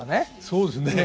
そうですね。